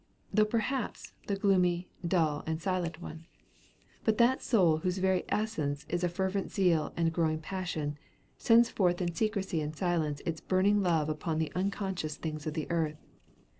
though perhaps, the gloomy, dull, and silent one; but that soul, whose very essence is fervent zeal and glowing passion, sends forth in secrecy and silence its burning love upon the unconscious things of earth.